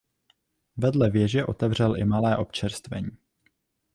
Vedle věže otevřel i malé občerstvení.